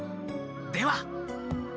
では！